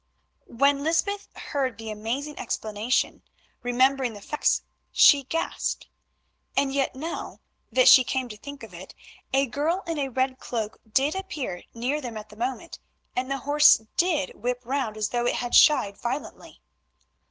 When Lysbeth heard this amazing explanation, remembering the facts, she gasped. And yet now that she came to think of it, a girl in a red cloak did appear near them at the moment, and the horse did whip round as though it had shied violently.